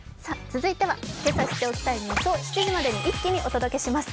続いてはけさ知っておきたいニュースを７時までに一気にお届けします。